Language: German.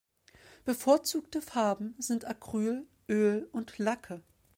Bevorzugte Farben sind Acryl, Öl und Lacke.